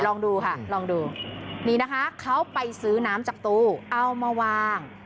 ลองดูค่ะลองดูนี่นะคะเขาไปซื้อน้ำจากตู้เอามาวาง